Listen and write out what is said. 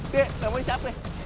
dek gak mau dicap dek